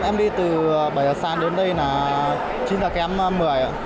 em đi từ bảy hà san đến đây là chín tháng kém một mươi